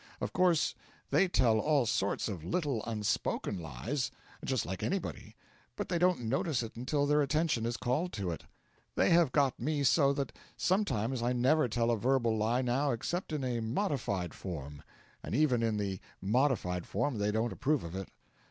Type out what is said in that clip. Of course, they tell all sorts of little unspoken lies, just like anybody; but they don't notice it until their attention is called to it. They have got me so that sometimes I never tell a verbal lie now except in a modified form; and even in the modified form they don't approve of it.